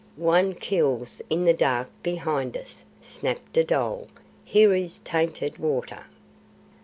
"One kills in the dark behind us!" snapped a dhole. "Here is tainted water!"